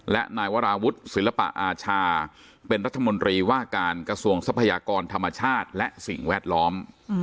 และนายวราวุฒิศิลปะอาชาเป็นรัฐมนตรีว่าการกระทรวงทรัพยากรธรรมชาติและสิ่งแวดล้อม